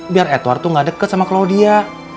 biar edward tuh gak deket sama claudia